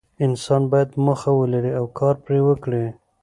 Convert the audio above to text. انسان باید موخه ولري او کار پرې وکړي.